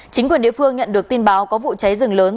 chính quyền địa phương nhận được tin báo có vụ cháy rừng lớn